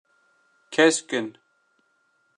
Kesk in.